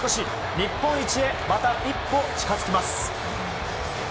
日本一へ、また一歩近づきます。